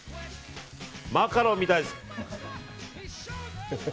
マカロンみたいです。